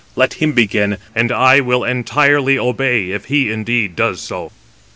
Let him begin, and I will entirely obey, if indeed he does so."